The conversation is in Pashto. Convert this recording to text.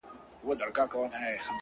درد چي سړی سو له پرهار سره خبرې کوي’